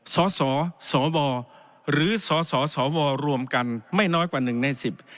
สสสวหรือสสสวรวมกันไม่น้อยกว่าหนึ่งในสิบ